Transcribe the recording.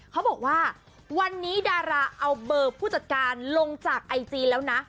เขาบอกว่าวันนี้ดาราเอาเบอร์ผู้จัดการลงจากไอจีแล้วนะ